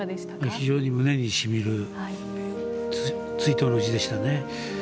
非常に胸にしみる追悼の辞でしたね。